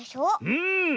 うん！